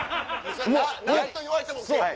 何と言われても結構。